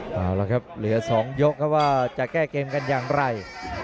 เอาละครับเหลือ๒ยกครับว่าจะแก้เกมกันอย่างไร